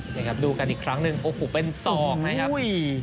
นี่ครับดูกันอีกครั้งหนึ่งโอ้โหเป็นศอกนะครับ